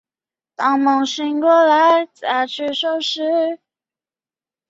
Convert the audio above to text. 他现在效力于比利时足球甲级联赛的祖尔特瓦雷根足球俱乐部。